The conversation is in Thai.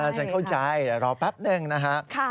ฉันเข้าใจรอแป๊บหนึ่งนะฮะ